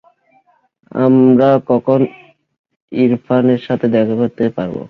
আমরা কখন ইরফানের সাথে দেখা করতে পারব?